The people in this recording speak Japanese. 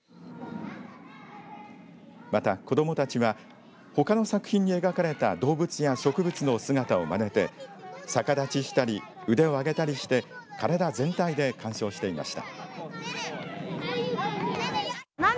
また、子どもたちはほかの作品に描かれた動物や植物の姿をまねて逆立ちしたり腕を上げたりして体全体で鑑賞していました。